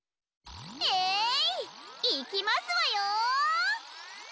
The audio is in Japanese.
えいいきますわよ！